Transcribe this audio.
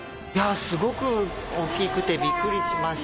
すごく大きくてびっくりしました。